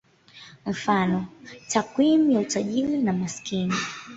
Mfano: takwimu ya utajiri na umaskini.